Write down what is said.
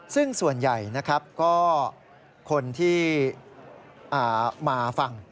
ซึ่งส่วนใหญ่นะครับก็คนที่มาฟัง